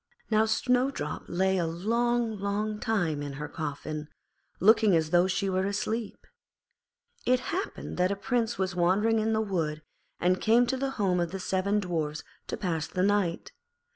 Now Snowdrop lay a long, long time in her coffin, looking as though she were asleep. It happened that a Prince was wandering in the wood, and came to the home of the seven Dwarfs to pass the night.